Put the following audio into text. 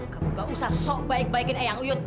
kamu gak usah sok baik baikin eyang uyut